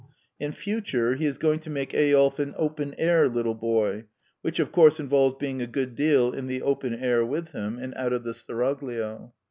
In future he is going to make Eyolf " an open air little boy," which of course involves being a good deal in the open air with him, and out of the seraglio.